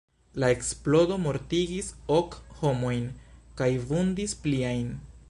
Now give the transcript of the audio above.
La eksplodo mortigis ok homojn kaj vundis pliajn.